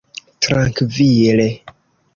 trankvile